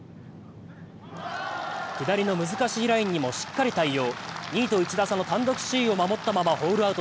下りの難しいラインにもしっかり対応。